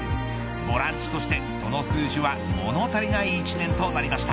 ボランチとして、その数字は物足りない１年となりました。